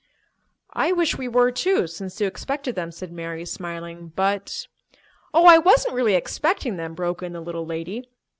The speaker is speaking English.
"I wish we were, too, since you expected them," said Mary, smiling. "But—" "Oh, I wasn't really expecting them," broke in the little lady.